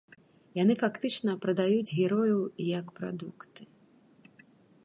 Яны фактычна прадаюць герояў як прадукты.